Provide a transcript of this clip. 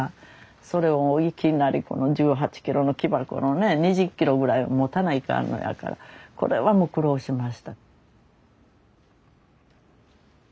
それをいきなり１８ｋｇの木箱のね２０ｋｇぐらい持たないかんのやからこれはもう苦労しました。